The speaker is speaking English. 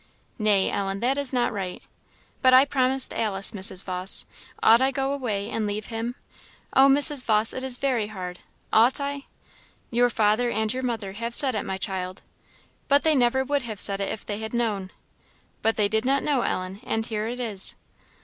"Nay, Ellen, that is not right." "But I promised Alice, Mrs. Vawse; ought I go away and leave him? Oh, Mrs. Vawse, it is very hard! Ought I?" "Your father and your mother have said it, my child." "But they never would have said it if they had known!" "But they did not know, Ellen; and here it is."